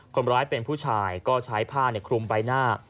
คนร้ายเป็นผู้ชายก็ใช้ผ้าคลุมใบหน้า